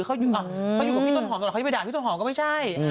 เขาอยู่กับพี่ต้นหอมตลอดเขาจะไปด่าพี่ต้นหอมก็ไม่ใช่